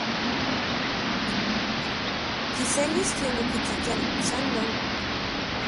Kiselis tlen okitlajtlani, san non.